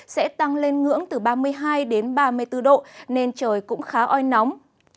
sẽ tăng lên ngưỡng từ ba mươi hai đến ba mươi bốn độ nên trời cũng khá oi nóng